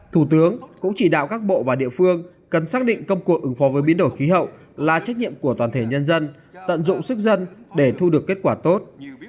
thủ tướng cũng chỉ đạo các bộ và địa phương cần xác định công cuộc ứng phó với biến đổi khí hậu là trách nhiệm của toàn thể nhân dân tận dụng sức dân để thu được kết quả tốt